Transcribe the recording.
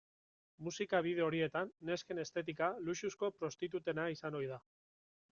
Musika bideo horietan nesken estetika luxuzko prostitutena izan ohi da.